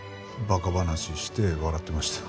馬鹿話して笑ってました。